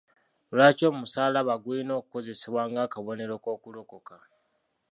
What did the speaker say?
Lwaki omusaalaba gulina okukozesebwa ng'akabonero k'okulokoka?